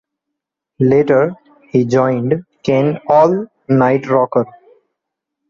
Later he joined Ken All Night Rocker.